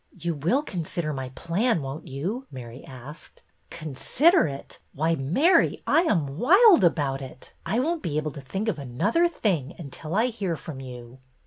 You will consider my plan, won't you?" Mary asked. Consider it ! Why, Mary, I am wild about it. I won't be able to think of another thing until I hear from you."